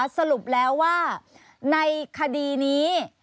สรุปแล้วว่าในคดีนี้